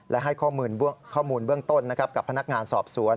และให้ข้อมูลเบื้องต้นกับพนักงานสอบสวน